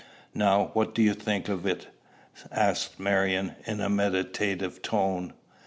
"Now, what do you think of it?" asked Marion in a meditative tone.